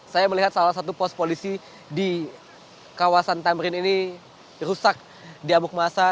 saya melihat salah satu pos polisi di kawasan tamrin ini rusak di amuk masa